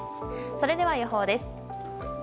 それでは予報です。